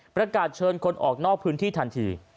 ประกาศเชิญคนออกนอกพื้นที่ทันที